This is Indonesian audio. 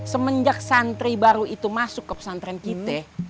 semenjak santri baru itu masuk ke pesantren kita